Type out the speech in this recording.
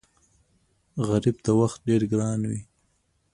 غریب ته وخت ډېر ګران وي